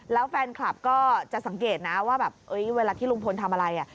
แล้วแฟนคลับก็จะสังเกตนะว่าแบบเวลาที่ลุงพลทำอะไร